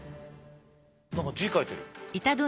何か字書いてる。